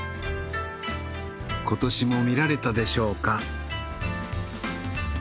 今年も見られたでしょうか？